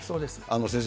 先生